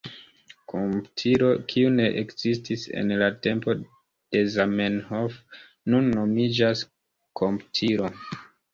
Komputilo, kiu ne ekzistis en la tempo de Zamenhof, nun nomiĝas komputilo.